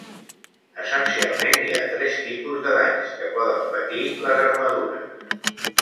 Essencialment, hi ha tres tipus de danys que poden patir les armadures.